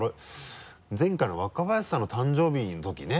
前回の若林さんの誕生日のときね。